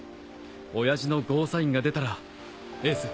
親父のゴーサインが出たらエース